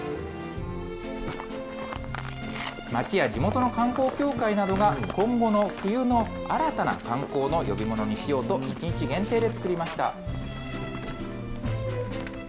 町や地元の観光協会などが、今後の冬の新たな観光の呼び物にしようと、１日限定で作りました。